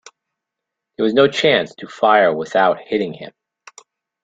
There was no chance to fire without hitting him.